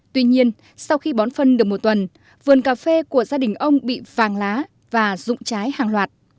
tuy nhiên sau khi bón phân được một tuần vườn cà phê của gia đình ông bị vàng lá và rụng trái hàng loạt